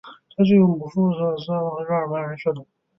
他具有母父各自的斯洛伐克人和日耳曼人血统。